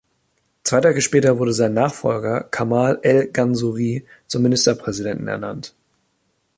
Zwei Tage später wurde sein Nachfolger Kamal El-Ganzouri zum Ministerpräsidenten ernannt.